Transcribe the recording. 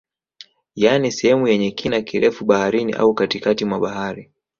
Yani sehemu yenye kina kirefu baharini au katikati mwa bahari